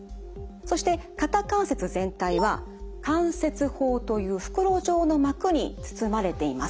そして肩関節全体は関節包という袋状の膜に包まれています。